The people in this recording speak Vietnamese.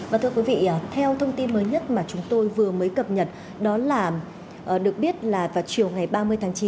và thưa quý vị theo thông tin mới nhất mà chúng tôi vừa mới cập nhật đó là được biết là vào chiều ngày ba mươi tháng chín